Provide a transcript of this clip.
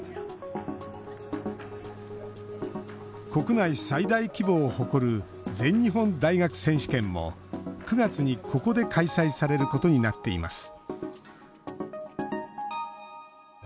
国内最大規模を誇る全日本大学選手権も９月にここで開催されることになっています